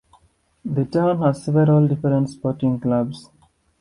The town has several different sporting clubs.